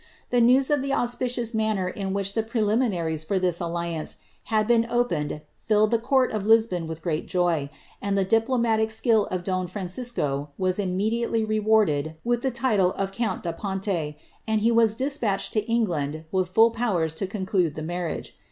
The news of the auspicious manner in which the pre liminaries for this alliance had been opened filled the court of Lisbon with great joy^ and the diplomatic skill of don Francisco waa immedi ately rewarded with the title of count da Ponte, and he was despatched to England with full powers to conclude the marriage.